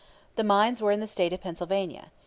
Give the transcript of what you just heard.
The mines were in the State of Pennsylvania.